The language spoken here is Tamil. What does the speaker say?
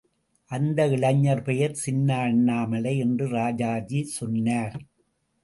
அந்த இளைஞர் பெயர் சின்ன அண்ணாமலை என்று ராஜாஜி சொன்னார்.